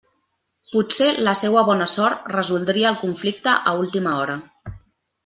Potser la seua bona sort resoldria el conflicte a última hora.